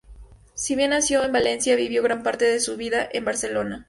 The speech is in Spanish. Si bien nació en Valencia, vivió gran parte de su vida en Barcelona.